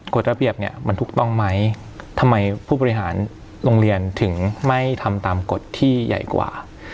กฎระเบียบเนี่ยมันถูกต้องไหมทำไมผู้บริหารโรงเรียนถึงไม่ทำตามกฎที่ใหญ่กว่า